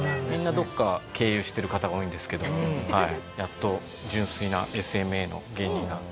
みんなどこか経由してる方が多いんですけどやっと純粋なＳＭＡの芸人が。